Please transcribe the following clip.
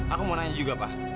aku mau nanya juga pak